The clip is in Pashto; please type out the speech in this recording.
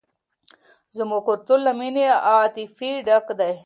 زموږ کلتور له مینې او عاطفې ډک دی.